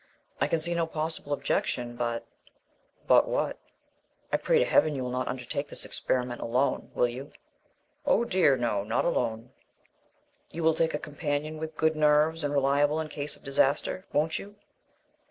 I can see no possible objection, but " "But what?" "I pray to Heaven you will not undertake this experiment alone, will you?" "Oh dear, no; not alone." "You will take a companion with good nerves, and reliable in case of disaster, won't you?"